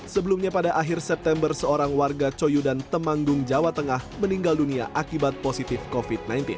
sebelumnya pada akhir september seorang warga coyudan temanggung jawa tengah meninggal dunia akibat positif covid sembilan belas